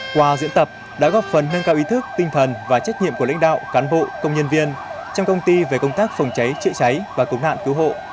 qua diễn tập đã góp phần nâng cao ý thức tinh thần và trách nhiệm của lãnh đạo cán bộ công nhân viên trong công ty về công tác phòng cháy chữa cháy và cứu nạn cứu hộ